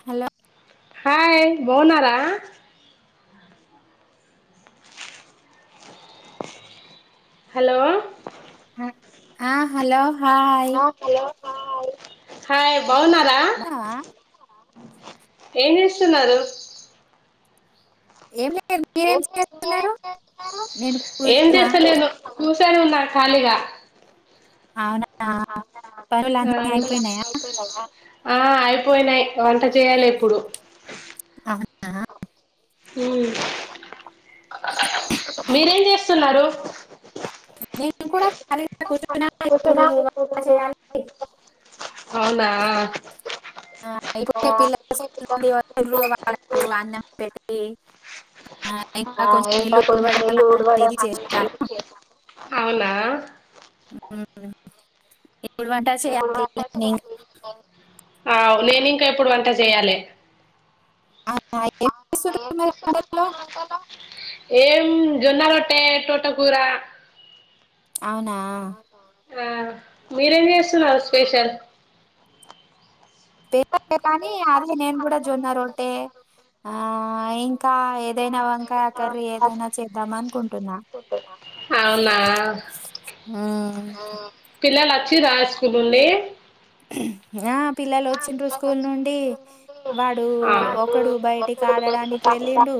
hello hi బాగున్నారా hello ఆ hello hi hi బగ్గున్నారా బావా ఏం చేస్తున్నారు ఏమి లేదు మీరేం చేస్తున్నారు నేను కూర్చున్నా కూసోని ఉన్నారు ఖాళీగా అవునా ఆ పనులన్నీ అయిపోయినాయా ఆ అయిపోయినాయి్ వంట చేయాలి ఇప్పుడు అవునా ఉమ్ మీరేం చేస్తున్నారు నేను కూడా ఖాళీ గా కూర్చున్నా ఇప్పుడు వంట చేయాల అవునా ఆ ఇప్పుడేయ్ పిల్లలు స్కూల్ నుంచి వా వాళ్లకి అన్నం పెట్టి ఆ ఇంకా ఆ కొంచెం ఎంత ఇల్లు కొ ఉడవడం మల్లుఉడవడం అలాంటిది చేశాను అవునా ఉమ్మ్ మీకు కుడివేత ఈవినింగ్ ఆ అవు నేను ఇంకా ఇప్పుడు వంట చేయాలి అవునా ఏం చేస్తుర్రు మరి వంటల్లో ఏం జొన్న రోట్ ట్టే తోట కూరా అవునా ఆ మీరేం చేస్తున్నారు స్పెషల్ పేపర్ కానీ అదే నేను కూడా జొన్న రొట్టె ఆ ఈ ఇంకా ఏదైనా వంకాయ కర్రీ ఏదైనా చేద్దాం అనుకుంటున్నా అవునా మ్మ్ పిల్లలు వచ్చిరా స్కూల్ నుండి ఆ పిల్లలు వచ్చిండ్రు స్కూల్ నుండి వాడు ఒకడు బయటికి ఆడడానికి వెళ్ళిండు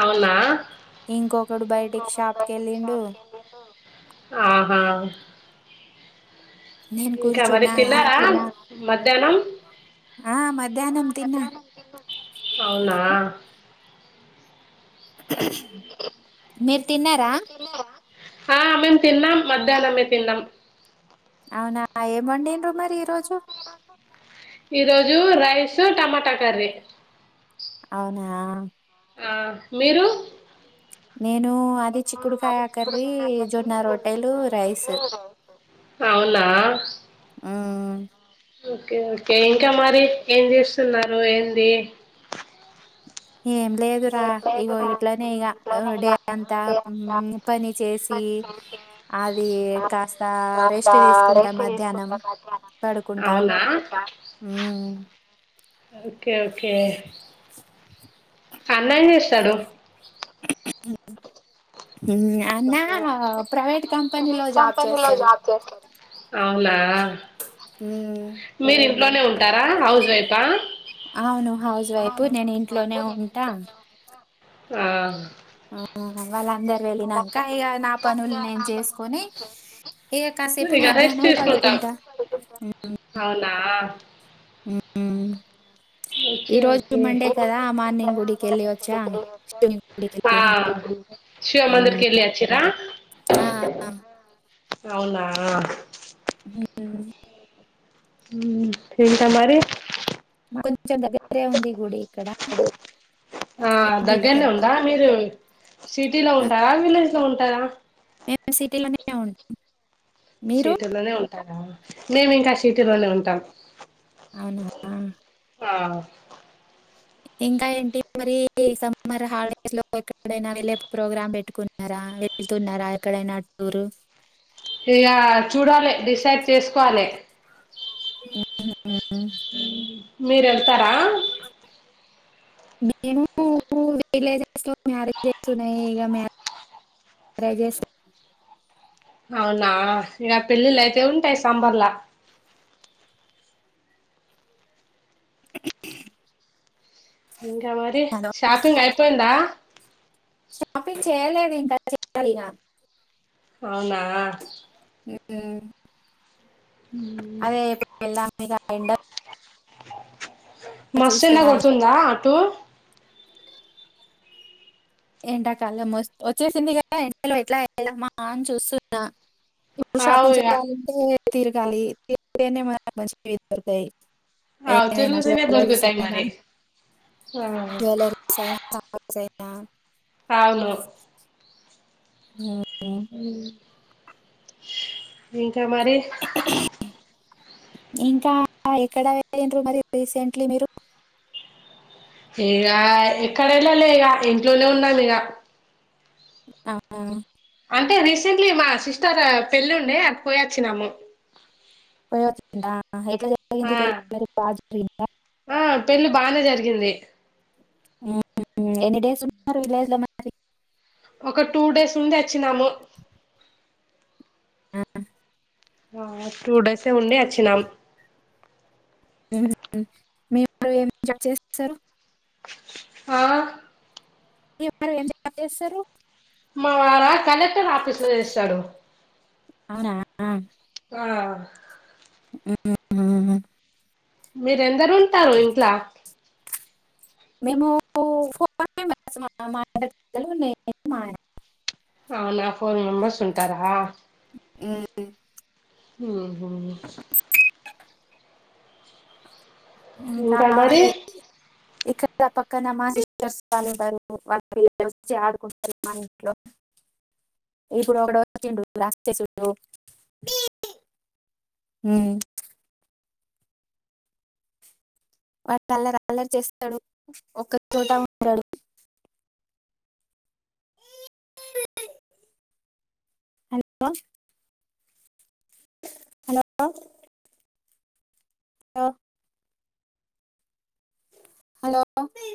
అవునా ఇంకొకడు బయటకి షాప్ కి వెళ్ళిండు ఆహా నేను ఇంకా మరి కూర్చున్నా తిన్నారా మద్యానం ఆ మధ్యాహ్నం తిన్నా అవునా మీరు తిన్నారా ఆ మేం తిన్నాం మధ్యనమే తిన్నాం అవునా ఏంవండిర్రు మరి ఈ రోజు ఈరోజు రైసు టమాటా కర్రీ అవునా ఆ మీరు నేను అది చిక్కుడుకాయ కర్రీ జొన్న రొట్టెలు రైసు అవునా ఆ ఓకే ఓకే ఇంకా మరి ఏం చేస్తున్నారు ఏంది ఏం లేదురా ఇగొ ఇట్లనే ఇగ డే అంతా పని చేసి అది కాస్త రెస్ట్ తీసుకుంటా మధ్యాహ్నం అవునా హు ఓకే ఓకే అన్నేం చేస్తాడు హు అన్నా ప్రైవేట్ కంపెనీలో జాబ్ చేస్తాడు అవునా మ్, మీరు ఇంట్లోనే ఉంటారా హౌస్ వైఫా అవును హౌస్ వైప్ నేను ఇంట్లోనే ఉంటా ఆ ఆ, వాళ్ళందరు వెళ్ళినాక ఇక నా పనులు నేను చేసుకొని ఇక [unintelligible] కాసేపు నువ్విగ రెస్టు మధ్యాహ్నం తీసుకుంటా పడుకుంటా అవునా మ్ మ్మ్ ఈ ఓకే రోజు ఓకే మండే కదా మార్నింగ్ గుడికెళ్ళి వచ్చా శివుని గుడికి ఆ శివ వెళ్ళిన మందిర్ కెళ్లి వచ్చిర్రా ఆ అ అవునా ఉమ్ ఇంకా మరి కొంచెం దగ్గరే ఉంది గుడి ఇక్కడ ఆ ఇంటి దగ్గర దగ్గరనే ఉందా మీరు సిటీలో ఉంటారా విలేజ్ లో ఉంటారా మేమ్ సిటీలోనే ఉం సిటీలోనే ఉంటారా మేమ్ ఇంకా షిటీలోనే ఉంటాం అవునా ఆ ఆ ఇంకా ఏంటి మరి సమ్మర్ హాలిడేస్ లో ఎక్కడైనా వెళ్ళే ప్రోగ్రామ్ పెట్టుకున్నారా ఆ వెళ్తున్నారా ఎక్కడైనా టూరు యా చూడాలి డిసైడ్ చేసుకోవాలి ఉహ్ ఊహు మీరెళ్తారా మేము విలేజెస్ లో మ్యారేజెస్ ఉన్నాయి ఇగ మ్యా ప్రైజెస్ అవునా ఇగ పెళ్ళిళ్ళు అయితే ఉంటాయి సంబర్లా ఇంకా మరి షాపింగ్ అయిపోయిందా షాపింగ్ చేయలేదు ఇంకా చెయాలిగా అవునా హు అదే [inaudible] వెళ్దాం ఇగ ఎండ మస్త్ ఎండ చూస్తేనా కొడుతుందా అటు ఎండాకాలం వ వచ్చేసింది కదా ఎండలో ఎట్లా ఎల్దామా అని చూస్తున్నా ఇప్పుడు అవు షాపింగ్ ఇగ చేయాలంటే తిరగాలి తిరీగితేనే మనకి మంచివి దొరకై ఏ అవు దయినా సా తిరుగుతూనే లరీ దొరుకుతాయి సరేనా మరి ఆ, జ్యువలరీస్ అయిన షర్ట్స్ అయినా అవును మ్మ్మ్మ్ మ్మ్మ్మ్ ఇంకా మరి ఇంకా ఎక్కడ పొఇండ్రు మరి రీసెంట్లీ మీరు ఏడ ఎక్కడ ఏళ్ళాలే ఇగ ఇంట్లోనే ఉన్నాం ఇగ ఆ అంటే రీసెంట్లీ మా సిస్టర్ ఆ పెళ్ళిండే అది పోయచ్చినాము పోయొచ్చిండ్రా ఎట్లా ఆ జరిగింది పెళ్లి మరి బాగా జరిగిందా ఆ పెళ్లి బానే జరిగింది హు ఎన్ని డేస్ ఉంటున్నారు విలేజ్ లో మరి ఒక టూ డేస్ ఉండి వచ్చినాము ఆ ఆ టూ డేసే ఉండి వచ్చినాం హు మీరు ఏం జాబ్ చేస్తారు ఆ మీ వారు ఏం జాబ్ చేస్తారు మా వారు కలెక్టర్ ఆఫీస్ లో చేస్తారు అవునా ఆ మ్మ్మ్మ్ మీరెందరు ఉంటారు ఇంట్లా మేము ఫోర్ మెంబెర్స్ మా పిల్లలు ఇద్దరు నేను మా ఆయిన అవునా ఫోర్ మెంబర్స్ ఉంటారా మ్మ్మ్మ్ అహ ఇంకా ఇక్కడ పక్కన మా టీచర్స్ వాళ్ళ ఉంటారు వాళ్ళ పిల్లలు వచ్చి ఆడుకుంటారు మా ఇంట్లో ఇప్పుడు ఒకడు వచ్చిండు లాస్టే చూడు మ్మ్మ్మ్ వారు అల్లరి అల్లరి చేస్తాడు ఒక చోట ఉండడు ప [unintelligible] హలో హలో లో హలో